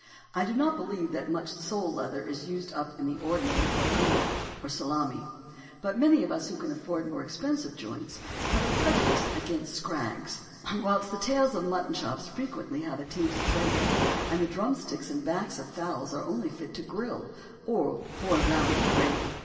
I do not believe that much sole leather is used up in the ordinary ragoût, or salmi; but many of us who can afford more expensive joints have a prejudice against "scrags"; whilst the tails of mutton chops frequently have a tainted flavour, and the drumsticks and backs of fowls are only fit to grill, or boil down into gravy.